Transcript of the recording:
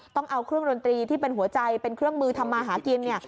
ต้องเอาเครื่องดนตรีที่เป็นหัวใจเป็นเครื่องมือทำมาหากินเนี่ย